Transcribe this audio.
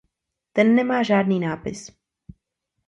Ten nemá žádný nápis.